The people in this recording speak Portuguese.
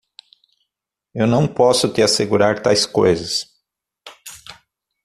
Eu não posso te assegurar tais coisas.